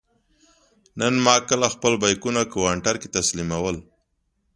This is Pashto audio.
نن ما کله خپل بېکونه کاونټر کې تسلیمول.